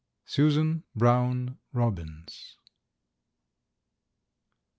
Susan Brown Robbins.